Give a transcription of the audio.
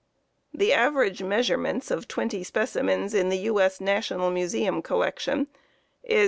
The average measurements of twenty specimens in the U. S. National Museum collection is 37.